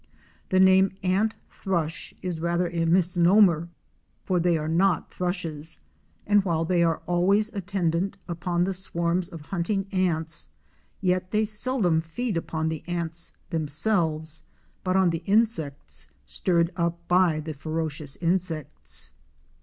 The name Ant thrush is rather a mis nomer, for they are not Thrushes, and while they are always attendant upon the swarms of hunting ants yet they seldom feed upon the ants themselves, but on the insects stirred up by the ferocious insects.